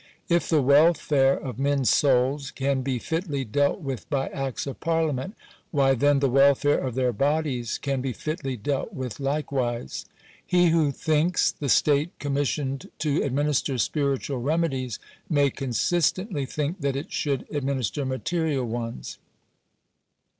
If the welfare of men's souls can be fitly dealt with by acts of parliament, why then the welfare of their bodies can be fitly dealt with likewise. He who thinks the state commissioned to administer spiritual remedies, may consistently think that it should administer material ones.